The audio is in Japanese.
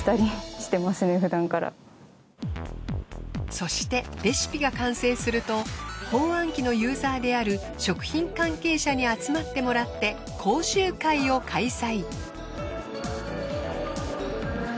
そしてレシピが完成すると包あん機のユーザーである食品関係者に集まってもらって講習会を開催。